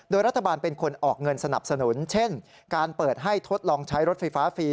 โดยรัฐบาลเป็นคนออกเงินสนับสนุนเช่นการเปิดให้ทดลองใช้รถไฟฟ้าฟรี